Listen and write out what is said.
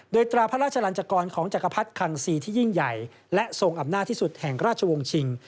โดยตราพระราชลันจกรของจักรพรรดิคังซีที่ยิ่งใหญ่และทรงอำนาจที่สุดแห่งราชวงศ์ชิง